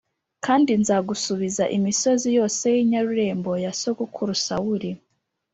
kandi nzagusubiza imisozi yose y’inyarurembo ya sogokuru Sawuli